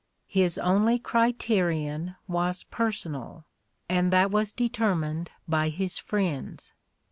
His only criterion was personal, and that was determined by his friends.